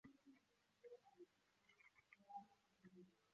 约尔凯撒里亚成为茅利塔尼亚凯撒利恩西斯行省的首府。